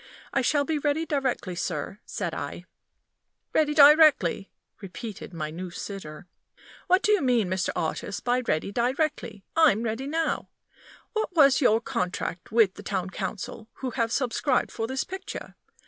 "I shall be ready directly, sir," said I. "Ready directly?" repeated my new sitter. "What do you mean, Mr. Artist, by ready directly? I'm ready now. What was your contract with the Town Council, who have subscribed for this picture?